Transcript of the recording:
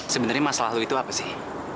sebenernya masalah lu itu apa sih